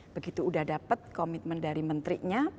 begitu udah dapat komitmen dari menterinya